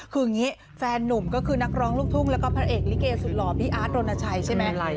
คือแฟนหนุ่มก็คือนักร้องลูกทุ่งและพระเอกลิเกสุดหล่อพี่อาร์ดโดนาชัยใช่ไหม